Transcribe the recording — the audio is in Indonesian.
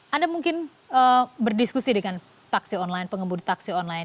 anda mungkin berdiskusi dengan taksi online pengembudi taksi online